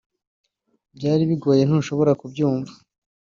byari bigoye ntushobora kubyumva